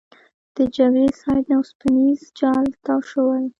د جګړې سایټ نه اوسپنیز جال تاو شوی.